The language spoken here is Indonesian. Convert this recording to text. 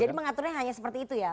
jadi mengaturnya hanya seperti itu ya